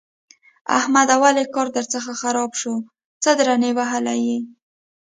احمده! ولې کار درڅخه خراب شو؛ څه درنې وهلی يې؟!